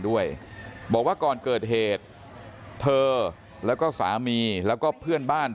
ด้วยบอกว่าก่อนเกิดเหตุเธอแล้วก็สามีแล้วก็เพื่อนบ้าน